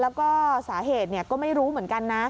แล้วก็สาเหตุก็ไม่รู้เหมือนกันนะ